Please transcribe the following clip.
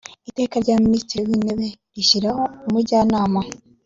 iteka rya minisitiri w intebe rishyiraho umujyanama